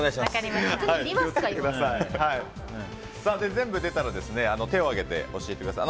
全部出たら、手を上げて教えてください。